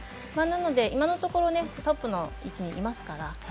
なので、今のところトップの位置にいますから。